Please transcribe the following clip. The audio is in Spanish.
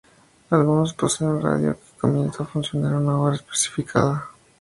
Algunos poseen radio, que comienza a funcionar a una hora especificada.